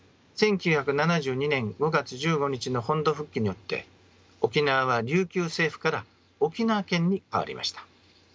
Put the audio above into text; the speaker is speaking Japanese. １９７２年５月１５日の本土復帰によって沖縄は琉球政府から沖縄県に変わりました。